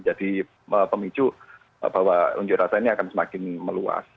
jadi pemicu bahwa unjuk rasa ini akan semakin meluas